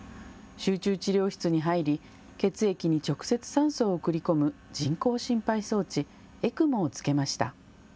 集中治療室に入り、血液に直接酸素を送り込む人工心肺装置・ＥＣＭＯをつけました。